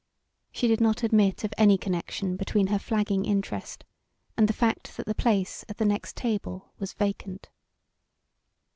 She did not admit of any connection between her flagging interest and the fact that the place at the next table was vacant.